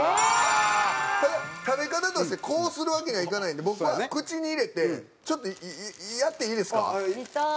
ただ食べ方としてこうするわけにはいかないんで僕は口に入れてちょっとやっていいですか？